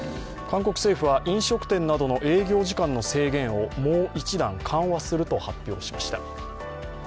韓国政府は飲食店などの営業時間の制限をもう一段緩和すると発表しました。